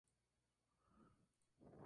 Es lo opuesto a proximal.